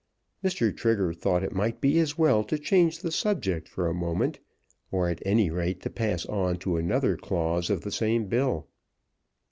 Mr. Trigger thought it might be as well to change the subject for a moment, or, at any rate, to pass on to another clause of the same bill.